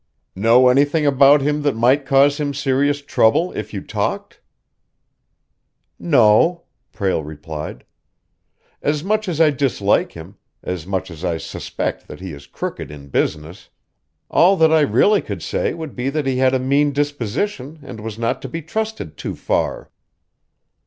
"Know anything about him that might cause him serious trouble if you talked?" "No," Prale replied. "As much as I dislike him, as much as I suspect that he is crooked in business, all that I really could say would be that he had a mean disposition and was not to be trusted too far."